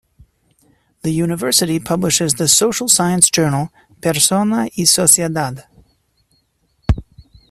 The University publishes the social science journal "Persona y Sociedad".